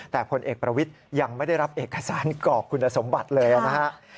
แต่พลเอกประวิทย์ยังไม่ได้รับเอกสารกรอกคุณสมบัติเลยนะครับ